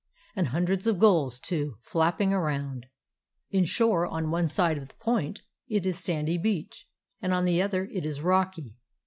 And hundreds of gulls, too, flapping around. In shore on one side of the point it is sandy beach, and on the other it is rocky.